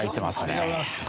ありがとうございます。